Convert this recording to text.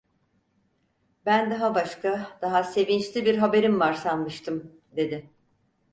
"Ben daha başka, daha sevinçli bir haberin var sanmıştım!" dedi.